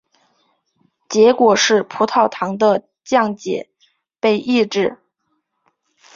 结果是葡萄糖的降解被抑制。